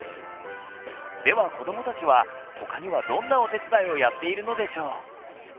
では子どもたちは他にはどんなお手伝いをやっているのでしょう。